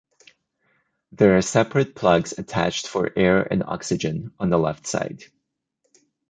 There are separate plugs attached for air and oxygen on the left side.